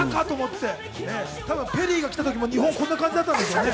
ペリーが来た時も日本はこんな感じだったんでしょうね。